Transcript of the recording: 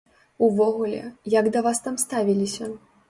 Увогуле, як да вас там ставіліся?